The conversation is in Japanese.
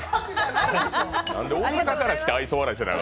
なんで大阪から来て愛想笑いせなあ